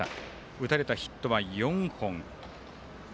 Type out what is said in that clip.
打たれたヒットは４本。